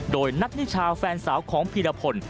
โดยนัทศนิษฐาแฟนสาวของผีระผล